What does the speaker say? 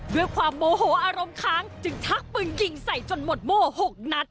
ด้วยความโมโหอารมณ์ค้างจึงชักปืนยิงใส่จนหมดโม่๖นัด